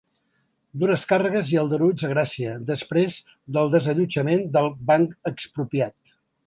Dures càrregues i aldarulls a Gràcia, després del desallotjament del ‘Banc Expropiat’